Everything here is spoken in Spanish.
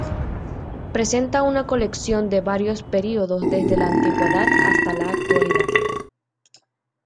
Presenta una colección de varios períodos desde la antigüedad hasta la actualidad.